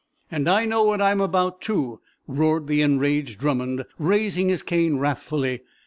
"And I know what I'm about, too!" roared the enraged Drummond, raising his cane, wrathfully.